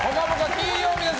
金曜日です！